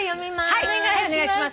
お願いします。